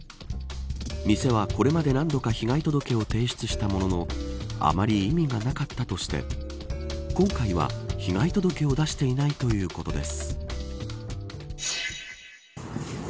店はこれまで何度か被害届を提出したもののあまり意味がなかったとして今回は被害届を出していないということです。